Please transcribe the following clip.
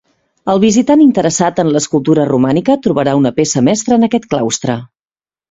El visitant interessat en l'escultura romànica trobarà una peça mestra en aquest claustre.